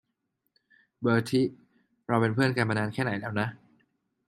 เบอร์ทิ เราเป็นเพือนกันมานานแค่ไหนแล้วนะ ?